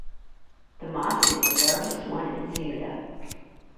The mosque is the largest one in Ceuta.